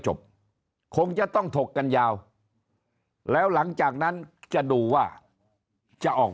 จบคงจะต้องถกกันยาวแล้วหลังจากนั้นจะดูว่าจะออก